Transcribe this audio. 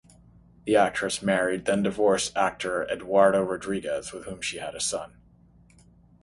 The actress married, then divorced, actor Eduardo Rodriguez, with whom she had a son.